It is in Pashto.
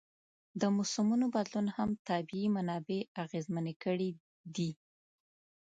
د موسمونو بدلون هم طبیعي منابع اغېزمنې کړي دي.